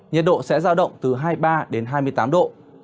nhật độ sẽ rao động từ hai mươi ba đến hai mươi tám độ